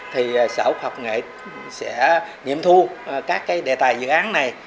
thì sở khoa học và công nghệ sẽ nghiệm thu các cái đề tài dự án này